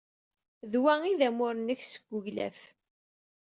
D wa ay d amur-nnek seg uglaf.